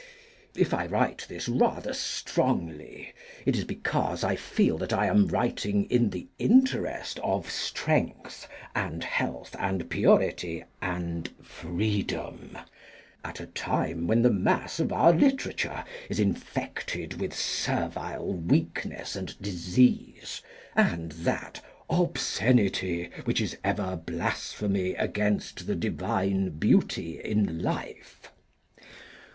If I write this rather strongly it is because I feel that I am writing in the interest of strength and health and purity and freedom, at a time when the mass of our literature is infected with servile weakness and disease and that "obscenity, which is ever blasphemy against the divine beauty in life."